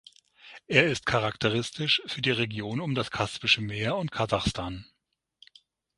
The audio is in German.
Er ist charakteristisch für die Region um das Kaspische Meer und Kasachstan.